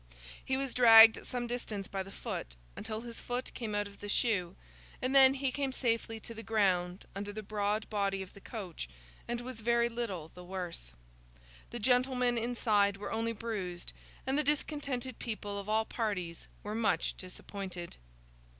He was dragged some distance by the foot, until his foot came out of the shoe, and then he came safely to the ground under the broad body of the coach, and was very little the worse. The gentlemen inside were only bruised, and the discontented people of all parties were much disappointed.